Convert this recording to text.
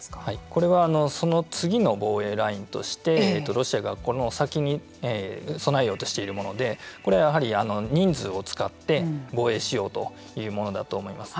これは、その次の防衛ラインとしてロシアが、この先に備えようとしているものでこれはやはり人数を使って防衛しようというものだと思います。